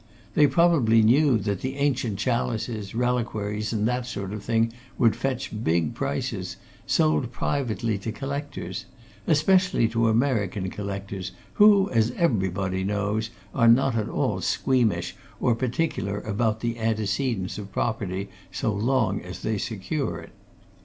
They probably knew that the ancient chalices, reliquaries, and that sort of thing would fetch big prices, sold privately to collectors especially to American collectors, who, as everybody knows, are not at all squeamish or particular about the antecedents of property so long as they secure it.